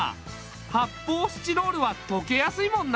はっぽうスチロールはとけやすいもんな。